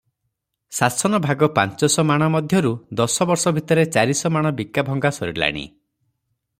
ଶାସନ ଭାଗ ପାଞ୍ଚଶ ମାଣ ମଧ୍ୟରୁ ଦଶ ବର୍ଷ ଭିତରେ ଚାରିଶ ମାଣ ବିକା ଭଙ୍ଗା ସରିଲାଣି ।